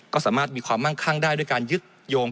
ก็สามารถมีความมั่งคั่งได้ด้วยการยึดโยง